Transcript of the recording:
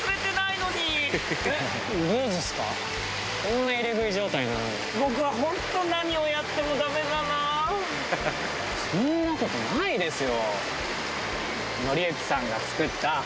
そんなことないですよ！